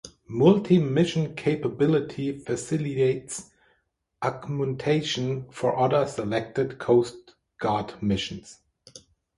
Multi-mission capability facilitates augmentation for other selected Coast Guard missions.